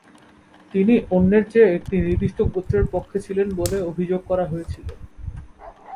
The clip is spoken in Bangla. তিনি অন্যের চেয়ে একটি নির্দিষ্ট গোত্রের পক্ষে ছিলেন বলে অভিযোগ করা হয়েছিল।